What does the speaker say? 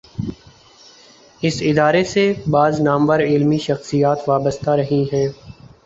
اس ادارے سے بعض نامور علمی شخصیات وابستہ رہی ہیں۔